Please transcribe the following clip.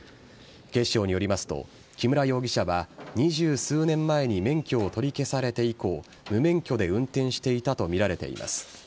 警視庁によりますと木村容疑者は２０数年前に免許を取り消されて以降無免許で運転していたとみられています。